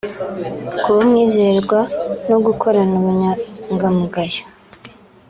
kuba umwizerwa no gukorana ubunyangamugayo